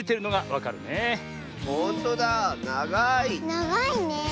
ながいねえ。